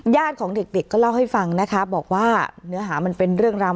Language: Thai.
ของเด็กก็เล่าให้ฟังนะคะบอกว่าเนื้อหามันเป็นเรื่องราว